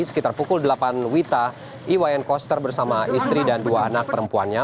sekitar pukul delapan wita iwayan koster bersama istri dan dua anak perempuannya